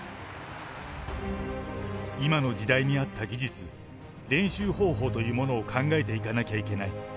今の時代に合った技術、練習方法というものを考えていかなきゃいけない。